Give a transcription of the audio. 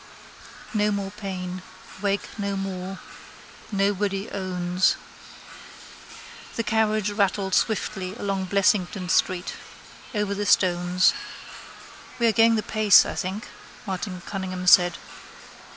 No more pain. Wake no more. Nobody owns. The carriage rattled swiftly along Blessington street. Over the stones. —We are going the pace, I think, Martin Cunningham said.